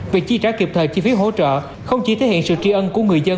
việc chi trả kịp thời chi phí hỗ trợ không chỉ thể hiện sự tri ân của người dân